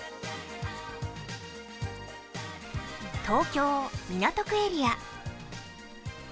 東京・港区エリア。